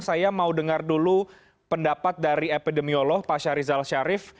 saya mau dengar dulu pendapat dari epidemiolog pak syarizal syarif